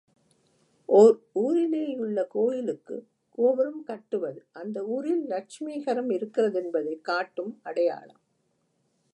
ஒர் ஊரிலேயுள்ள கோயிலுக்குக் கோபுரம் கட்டுவது அந்த ஊரில் லட்சுமீகரம் இருக்கிறதென்பதைக் காட்டும் அடையாளம்.